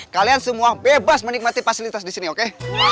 kalian semua bebas menikmati fasilitas di sini oke